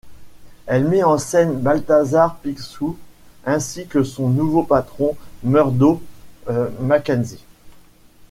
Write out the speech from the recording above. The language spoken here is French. Elle met en scène Balthazar Picsou ainsi que son nouveau patron Murdo MacKenzie.